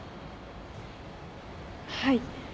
はい。